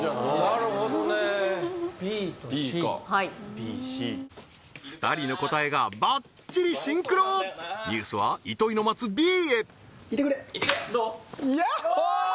なるほどねＢとＣはい２人の答えがバッチリシンクロＮＥＷＳは糸井の待つＢへいてくれいてくれどう？